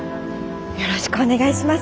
よろしくお願いします。